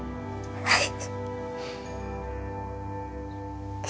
はい。